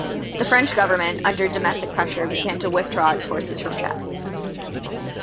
The French government, under domestic pressure, began to withdraw its forces from Chad.